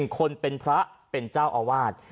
คนเป็นพระเป็นเจ้าอาวาส